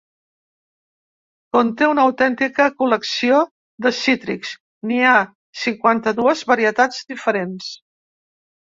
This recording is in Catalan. Conté una autèntica col·lecció de cítrics: n’hi ha cinquanta-dues varietats diferents.